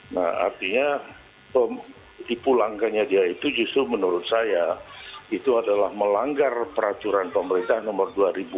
nah artinya dipulangkannya dia itu justru menurut saya itu adalah melanggar peraturan pemerintah nomor dua ribu dua puluh